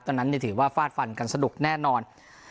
นั้นถือว่าฟาดฟันกันสนุกแน่นอน